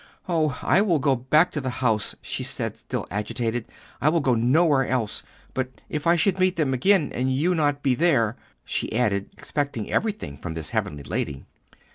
"Oh, I will go back to the house," she said, still agitated; "I will go nowhere else. But if I should meet them again, and you not be there?" she added, expecting everything from this heavenly lady.